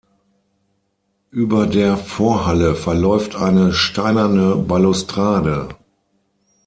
Über der Vorhalle verläuft eine steinerne Balustrade.